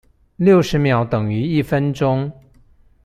六十秒等於一分鐘